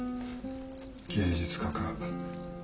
芸術家か。